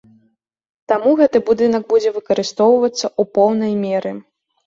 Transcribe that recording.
Таму гэты будынак будзе выкарыстоўвацца ў поўнай меры.